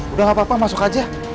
udah gak apa apa masuk aja